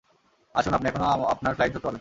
আসুন, আপনি এখনো আপনার ফ্লাইট ধরতে পারবেন।